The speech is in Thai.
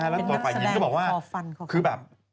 เป็นนักแสดงฟอฟัน